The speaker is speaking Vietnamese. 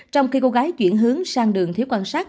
trong khi cô gái chuyển hướng sang đường thiếu quan sát